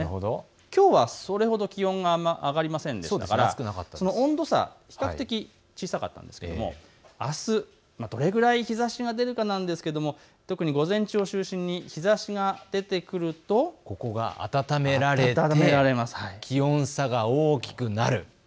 きょうは、それほど気温が上がりませんでしたから、その温度差、比較的小さかったんですけれどもあす、どれくらい日ざしが出るかなんですけれども特に午前中を中心に日ざしが出てくるとここが暖められて気温差が大きくなる。